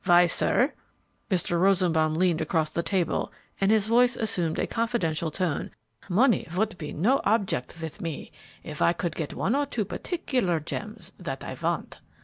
Why, sir," Mr. Rosenbaum leaned across the table and his voice assumed a confidential tone, "money would be no object with me if I could get one or two particular gems that I want.